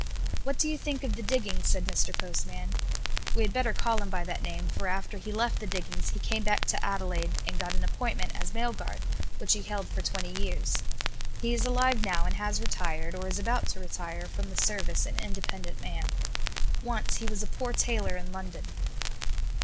"What do you think of the diggings?" said Mr. Postman. We had better call him by that name, for after he left the diggings he came back to Adelaide and got an appointment as mail guard, which he held for twenty years. He is alive now and has retired, or is about to retire from the service an independent man. Once he was a poor tailor in London.